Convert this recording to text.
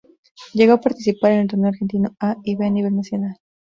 Llegó a participar en el Torneo Argentino A y B a nivel nacional.